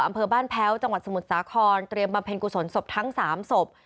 อำเภอบ้านแพ้วจังหวัดสมุทรสาครเตรียมบำเพ็ญกุศลศพทั้ง๓ศพ